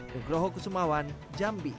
nugroho kusumawan jambi